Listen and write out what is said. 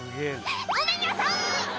「ごめんニャさい！」